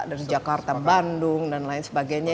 dari jakarta bandung dan lain sebagainya